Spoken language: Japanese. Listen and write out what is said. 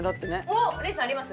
おっ礼さんあります？